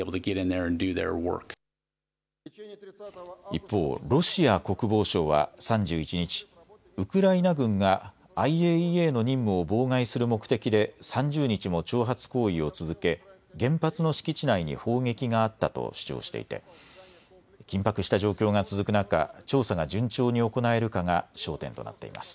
一方、ロシア国防省は３１日、ウクライナ軍がＩＡＥＡの任務を妨害する目的で３０日も挑発行為を続け原発の敷地内に砲撃があったと主張していて緊迫した状況が続く中、調査が順調に行えるかが焦点となっています。